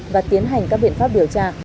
và tiến hành các biện pháp điều tra